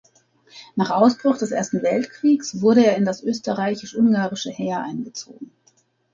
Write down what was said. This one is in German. Nach Ausbruch des Ersten Weltkriegs wurde er in das österreichisch-ungarische Heer eingezogen.